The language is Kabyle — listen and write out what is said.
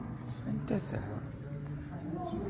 Anta ta?